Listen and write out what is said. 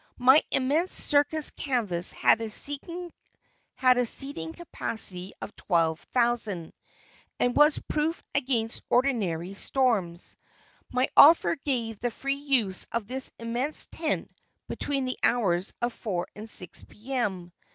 My immense circus canvas had a seating capacity of 12,000, and was proof against ordinary storms. My offer gave the free use of this immense tent between the hours of 4 and 6 P.M.